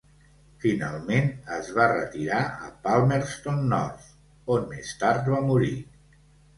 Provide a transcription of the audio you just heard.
Finalment es va retirar a Palmerston North, on més tard va morir.